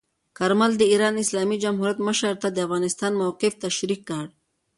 کارمل د ایران اسلامي جمهوریت مشر ته د افغانستان موقف تشریح کړ.